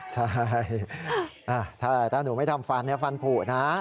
ใช่ถ้าหนูไม่ทำฟันฟันผูนะ